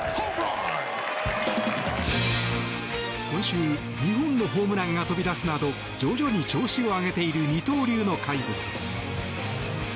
今週２本のホームランが飛び出すなど徐々に調子を上げている二刀流の怪物。